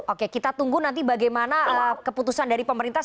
oke kita tunggu nanti bagaimana keputusan dari pemerintah